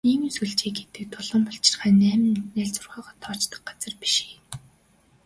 Нийгмийн сүлжээ гэдэг долоон булчирхай, найман найлзуурхайгаа тоочдог газар биш ээ.